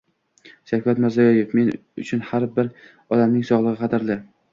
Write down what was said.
Shavkat Mirziyoyev: Men uchun har bir odamning sog‘lig‘i qadrling